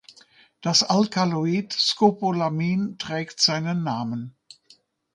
Das Alkaloid Scopolamin trägt seinen Namen.